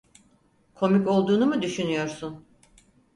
Komik olduğunu mu düşünüyorsun?